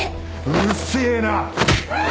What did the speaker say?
うるせえな。